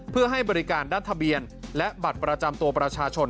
เพื่อให้บริการด้านทะเบียนและบัตรประจำตัวประชาชน